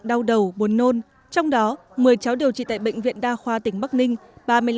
đau đầu buồn nôn trong đó một mươi cháu điều trị tại bệnh viện đa khoa tỉnh bắc ninh